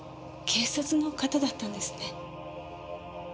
警察の方だったんですね。